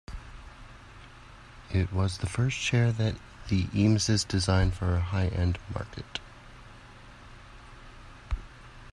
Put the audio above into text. It was the first chair that the Eameses designed for a high-end market.